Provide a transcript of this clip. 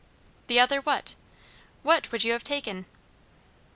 "The other what? What would you have taken?"